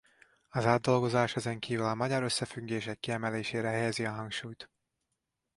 Az átdolgozás ezen kívül a magyar összefüggések kiemelésére helyezi a hangsúlyt.